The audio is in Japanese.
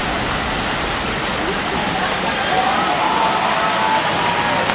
書いた！